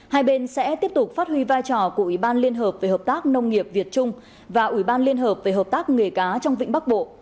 hai bên sẽ tiếp tục phát huy vai trò của ủy ban liên hợp về hợp tác nông nghiệp việt trung và ủy ban liên hợp về hợp tác nghề cá trong vịnh bắc bộ